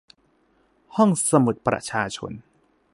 ห้องสมุดประชาชน